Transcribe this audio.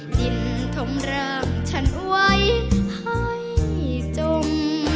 ดินถมร่างฉันไว้ให้จง